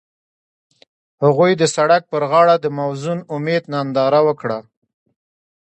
هغوی د سړک پر غاړه د موزون امید ننداره وکړه.